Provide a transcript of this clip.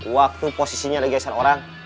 waktu posisinya digeser orang